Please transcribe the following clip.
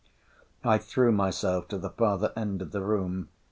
I threw myself to the farther end of the room.